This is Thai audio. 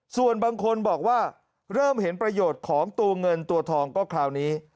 ส่วนบางคนบอกว่าเริ่มเห็นประโยชน์ของตัวเงินตัวทองก็คราวนี้